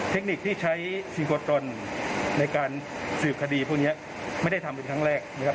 เทคนิคที่ใช้ซิโคตนในการสืบคดีพวกนี้ไม่ได้ทำเป็นครั้งแรกนะครับ